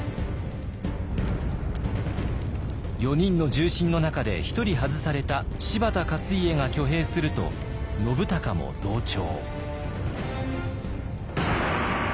４人の重臣の中で１人外された柴田勝家が挙兵すると信孝も同調。